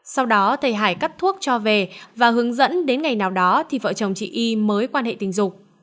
sau đó thầy hải cắt thuốc cho về và hướng dẫn đến ngày nào đó thì vợ chồng chị y mới quan hệ tình dục